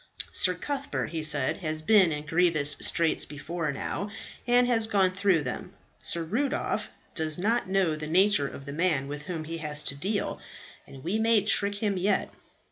"Sir Cuthbert," he said, "has been in grievous straits before now, and has gone through them. Sir Rudolph does not know the nature of the man with whom he has to deal, and we may trick him yet."